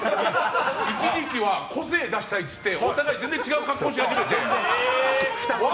一時期は個性出したいって言ってお互い全然違う格好をし始めて。